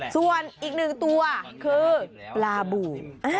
ส่วนอีกหนึ่งตัวคือปลาบูด